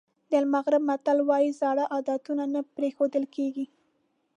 د المغرب متل وایي زاړه عادتونه نه پرېښودل کېږي.